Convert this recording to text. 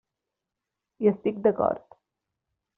Hi estic d'acord.